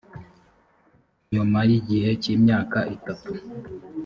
nyuma y igihe cy imyaka itatu